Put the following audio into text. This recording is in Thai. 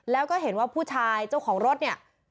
แล้วก็เห็นว่าผู้ชายเจ้าของรถเนี่ย